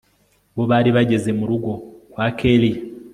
bo bari bageze murugo kwa kellia